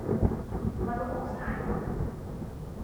乜都冇曬